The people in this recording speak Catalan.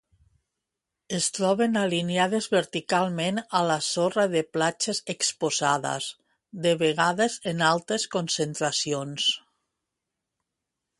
Es troben alineades verticalment a la sorra de platges exposades, de vegades en altes concentracions.